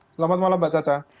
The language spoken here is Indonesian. selamat malam mbak caca